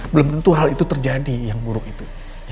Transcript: belum tentu hal itu terjadi yang buruk itu